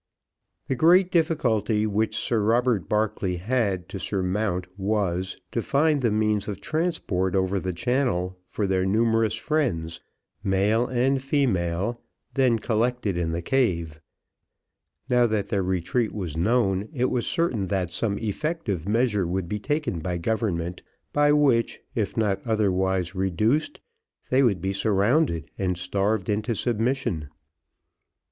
The great difficulty which Sir Robert Barclay had to surmount, was to find the means of transport over the channel for their numerous friends, male and female, then collected in the cave: now that their retreat was known, it was certain that some effective measures would be taken by government, by which, if not otherwise reduced, they would be surrounded and starved into submission.